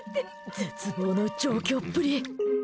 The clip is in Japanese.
絶望の状況っぷり！